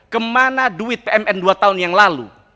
kemana duit pmn dua tahun yang lalu